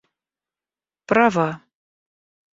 права